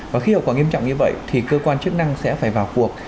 và khi hậu quả nghiêm trọng như vậy thì cơ quan chức năng sẽ phải vào cuộc